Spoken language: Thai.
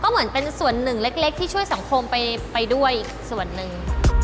เหมือนเป็นส่วนหนึ่งเล็กที่ช่วยสังคมไปด้วยอีกส่วนหนึ่ง